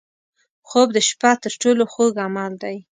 خوب د شپه تر ټولو خوږ عمل دی